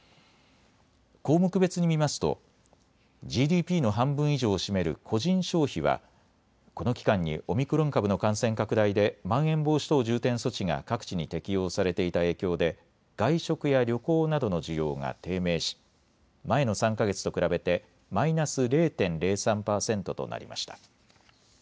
項目別に見ますとＧＤＰの半分以上を占める個人消費はこの期間にオミクロン株の感染拡大でまん延防止等重点措置が各地に適用されていた影響で外食や旅行などの需要が低迷し前の３か月と比べてマイナス０．０３％となりました。